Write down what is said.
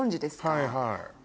はいはい。